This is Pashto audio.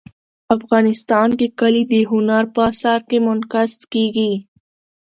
افغانستان کې کلي د هنر په اثار کې منعکس کېږي.